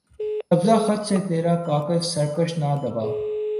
سبزۂ خط سے ترا کاکل سرکش نہ دبا